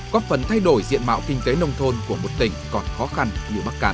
có phần thay đổi diện mạo kinh tế nông thôn của một tỉnh còn khó khăn như bắc cạn